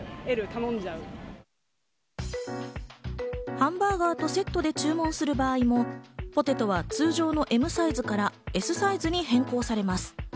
ハンバーガーとセットで注文する場合もポテトは通常のＭサイズからＳサイズに変更されます。